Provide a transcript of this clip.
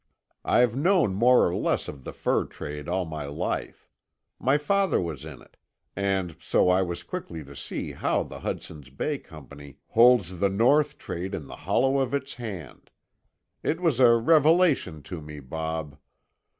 I've known more or less of the fur trade all my life. My father was in it. And so I was quick to see how the Hudson's Bay Company holds the North trade in the hollow of its hand. It was a revelation to me, Bob.